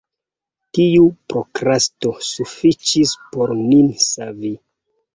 Tiu prokrasto sufiĉis por nin savi.